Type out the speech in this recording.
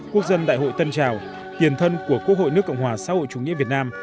quốc dân đại hội tân trào tiền thân của quốc hội nước cộng hòa xã hội chủ nghĩa việt nam